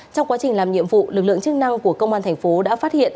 trong quá trình làm nhiệm vụ lực lượng chức năng của công an thành phố đã phát hiện